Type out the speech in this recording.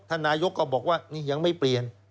นายกก็บอกว่านี่ยังไม่เปลี่ยน